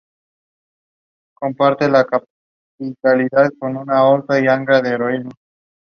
A rented Porfiry becomes that person.